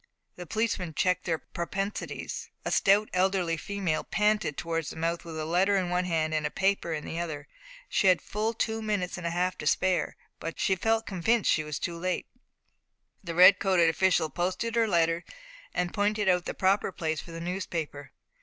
The policeman checked their propensities. A stout elderly female panted towards the mouth with a letter in one hand and a paper in the other. She had full two minutes and a half to spare, but felt convinced she was too late. The red coated official posted her letter, and pointed out the proper place for the newspaper.